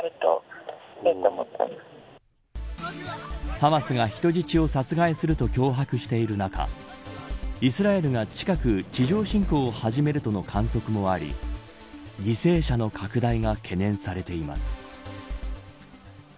ハマスが人質を殺害すると脅迫している中イスラエルが近く、地上侵攻を始めるとの観測もあり犠牲者の拡大が懸念されています。